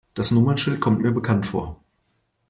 Das Nummernschild kommt mir bekannt vor.